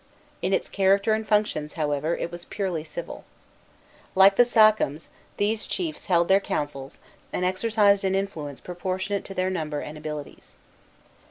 In its character and functions, however, it was purely civil. Like the sachems, these chiefs held their councils, and exercised an influence proportionate to their number and abilities.